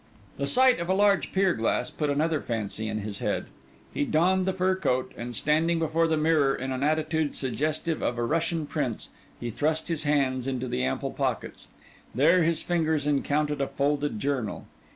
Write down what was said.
The sight of a large pier glass put another fancy in his head. He donned the fur coat; and standing before the mirror in an attitude suggestive of a Russian prince, he thrust his hands into the ample pockets. There his fingers encountered a folded journal.